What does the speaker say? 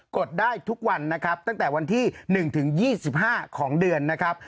ดได้ทุกวันนะครับตั้งแต่วันที่๑ถึง๒๕ของเดือนนะครับ